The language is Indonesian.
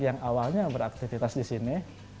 yang awalnya beraktivitas di sini